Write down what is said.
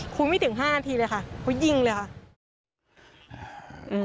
คุณไม่ถึงห้านาทีเลยค่ะเขายิงเลยค่ะอืม